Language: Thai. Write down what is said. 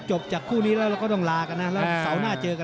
จบจากคู่นี้แล้วเราก็ต้องลากันนะ